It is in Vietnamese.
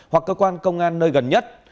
hoặc cơ quan công an nơi gần nhất